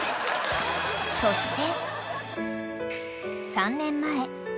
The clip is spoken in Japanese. ［そして］